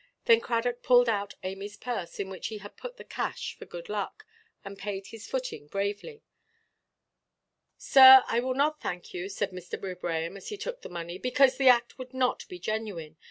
Then Cradock pulled out Amyʼs purse, in which he had put the cash, for good luck, and paid his footing bravely. "Sir, I will not thank you," said Mr. Wibraham, as he took the money, "because the act would not be genuine.